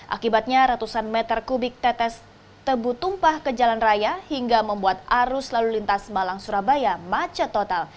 akibatnya ratusan meter kubik tetes tebu tumpah ke jalan raya hingga membuat arus lalu lintas malang surabaya macet total